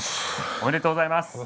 おめでとうございます。